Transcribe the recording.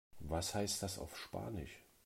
Was heißt das auf Spanisch?